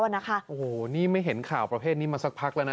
โอ้โหนี่ไม่เห็นข่าวประเภทนี้มาสักพักแล้วนะ